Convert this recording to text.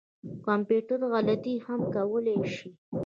کمپیوټر غلطي هم کولای شي